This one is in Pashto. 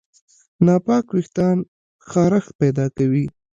ناپاک وېښتيان خارښت پیدا کوي.